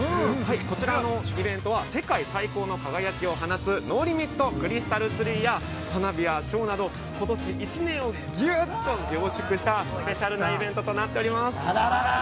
こちらのイベントは、世界最高の輝きを放つＮＯＬＩＭＩＴ！クリスタル・ツリーや花火やショーなどことし１年をぎゅっと凝縮したスペシャルなイベントとなっております。